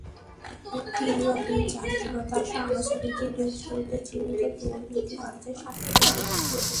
তিনিও বিচারহীনতার সংস্কৃতি দুর করতে চিহ্নিত দুর্নীতিবাজদের শাস্তি দেওয়ার ওপর গুরুত্ব দেন।